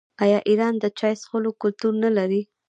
آیا ایران د چای څښلو کلتور نلري؟